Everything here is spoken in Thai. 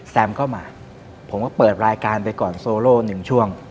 เข้ามาผมก็เปิดรายการไปก่อนโซโลหนึ่งช่วง